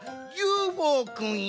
ＵＦＯくんや。